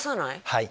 はい。